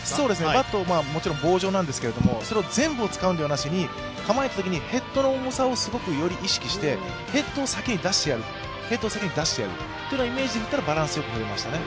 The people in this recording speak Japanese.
バット、もちろん棒状なんですけど、全部を使うんではなしに構えたときにヘッドの重さをより意識してヘッドを先に出してやるというイメージにしたらバランスよく振れましたね。